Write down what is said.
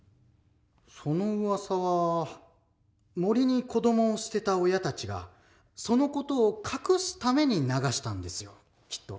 そのうわさは森に子どもを捨てた親たちがその事を隠すために流したんですよきっと。